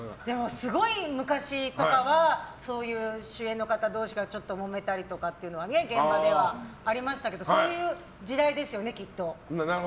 すごい昔とかはそういう主演の方同士がちょっと揉めたりとかは現場ではありましたけどそういう時代ですよね、きっと。